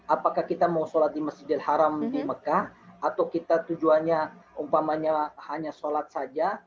apakah kita mau sholat di masjidil haram di mekah atau kita tujuannya umpamanya hanya sholat saja